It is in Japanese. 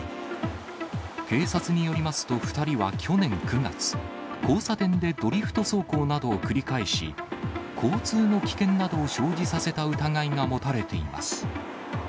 警察によりますと２人は去年９月、交差点でドリフト走行などを繰り返し、交通の危険などを生じさせた疑いが持たれています。